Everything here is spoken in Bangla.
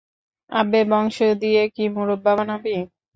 আব্বে, বংশ দিয়ে কি মুরব্বা বানাবি?